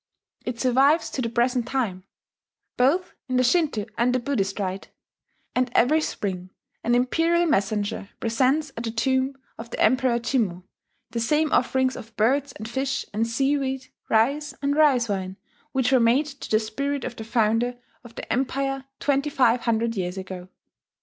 It survives to the present time, both in the Shinto and the Buddhist rite; and every spring an Imperial messenger presents at the tomb of the Emperor Jimmu, the same offerings of birds and fish and seaweed, rice and rice wine, which were made to the spirit of the Founder of the Empire twenty five hundred years ago.